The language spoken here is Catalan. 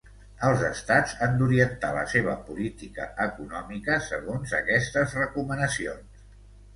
Els Estats han d'orientar la seva política econòmica segons aquestes recomanacions.